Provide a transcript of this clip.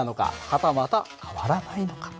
はたまた変わらないのか。